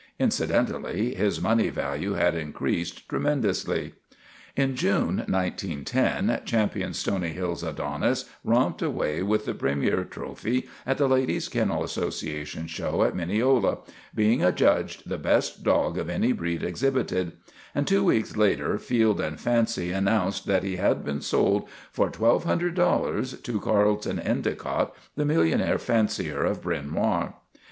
Incidentally his money value had increased tremendously. In June, 1910, Ch. Stony Hills Adonis romped away with the premier trophy at the Ladies' Kennel Association show at Mineola, being adjudged the best dog of any breed exhibited, and two weeks later Field and Fancy announced that he had been sold for $1200 to Carlton Endicott, the millionaire fancier of Bryn Mawr.